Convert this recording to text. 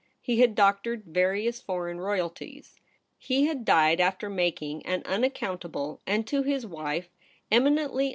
He had doctored various foreign royalties. He had died after making an unaccountable, and to his wife, eminently THE PRINCESS AT HOME.